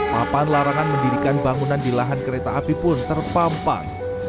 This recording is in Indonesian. papan larangan mendirikan bangunan di lahan kereta api pun terpampang